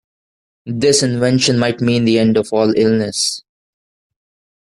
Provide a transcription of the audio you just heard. This invention might mean the end of all illness.